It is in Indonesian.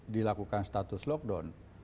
dilakukan status lockdown